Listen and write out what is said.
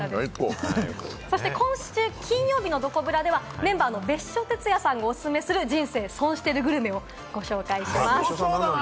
そして今週金曜のどこブラではメンバーの別所哲也さんがおすすめする人生損してるグルメをご紹介します。